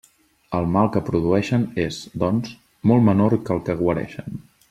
El mal que produeixen és, doncs, molt menor que el que guareixen.